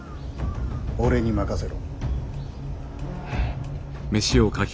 俺に任せろ。